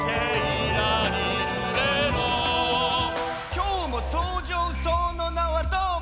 「今日も登場その名はどーも」